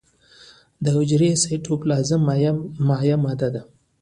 د حجرې سایتوپلازم مایع ماده ده